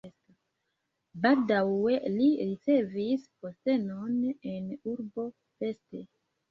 Baldaŭe li ricevis postenon en urbo Pest.